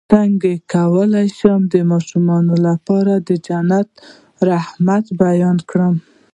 څنګه کولی شم د ماشومانو لپاره د جنت د رحمت بیان کړم